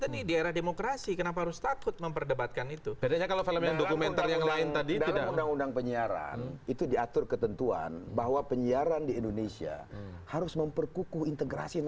memang ada dua penyebutan